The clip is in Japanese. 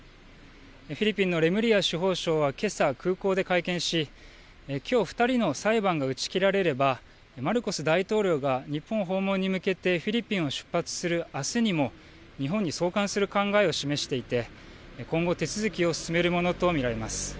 フィリピンのレムリア司法相はけさ空港で会見し、きょう２人の裁判が打ち切られればマルコス大統領が日本訪問に向けてフィリピンを出発するあすにも日本に送還する考えを示していて今後、手続きを進めるものと見られます。